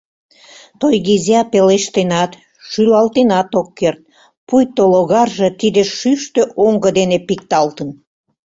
Тойгизя пелештенат, шӱлалтенат ок керт, пуйто логарже тиде шӱштӧ оҥго дене пикталтын.